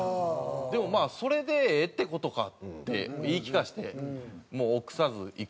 でもまあそれでええって事かって言い聞かしてもう臆さずいくという。